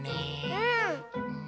うん。